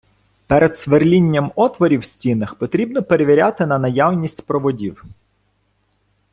Перед свердлінням отворів в стінах потрібно перевіряти на наявність проводів.